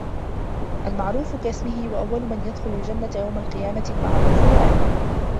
الْمَعْرُوفُ كَاسْمِهِ وَأَوَّلُ مَنْ يَدْخُلُ الْجَنَّةَ يَوْمَ الْقِيَامَةِ الْمَعْرُوفُ وَأَهْلُهُ